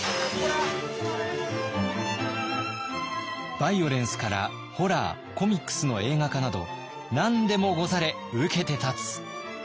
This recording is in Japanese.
バイオレンスからホラーコミックスの映画化など何でもござれ受けて立つ。